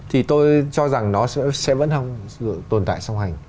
thì tôi cho rằng nó sẽ vẫn không tồn tại trong hành